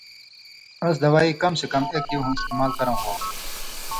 اس دوائ کم سے کم ایک یُون٘ہہۡ استعمال کرٶں ہوتُھو۔